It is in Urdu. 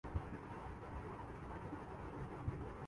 ادھر بت تو کم بنائےگئے مگر انہوں نے فوٹو بنا کر انکی پرستش البتہ خو ب کی